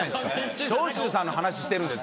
長州さんの話してるんですよ